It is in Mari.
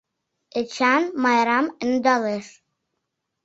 Эчан Майрам ӧндалеш.